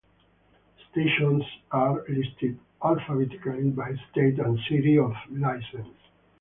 Stations are listed alphabetically by state and city of license.